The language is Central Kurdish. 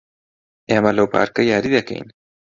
ئێمە لەو پارکە یاری دەکەین.